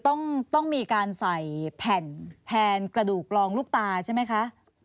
ก็คือต้องมีการใส่แผนกระดูกรองลูกตาใช่ไหมคะ